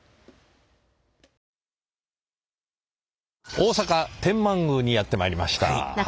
大阪天満宮にやって参りました。